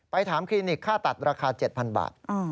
ถามคลินิกค่าตัดราคา๗๐๐บาท